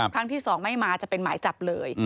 ครั้งที่๒ไม่มาจะเป็นหมายจับเลย